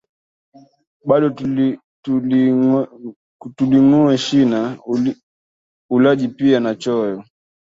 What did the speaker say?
Bado, tuling’owe shina, ulaji pia na choyo